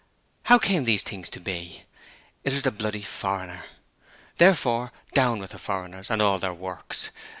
How came these things to be? It was the bloody foreigner! Therefore, down with the foreigners and all their works.